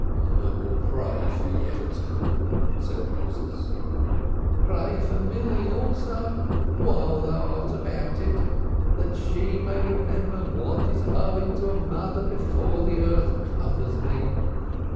"I will pray for Yechezkel," said Moses. "Pray for Milly also, while thou art about it, that she may remember what is owing to a mother before the earth covers me.